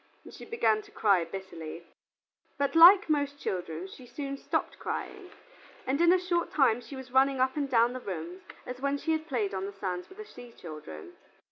and she began to cry bitterly. But like most children, she soon stopped crying, and in a short time she was running up and down the rooms as when she had played on the sands with the sea children.